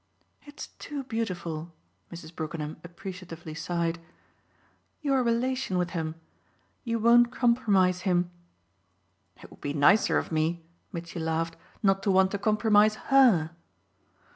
"It's too beautiful," Mrs. Brookenham appreciatively sighed, "your relation with him! You won't compromise him." "It would be nicer of me," Mitchy laughed, "not to want to compromise HER!"